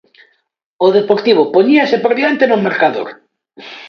O Deportivo poñíase por diante no marcador.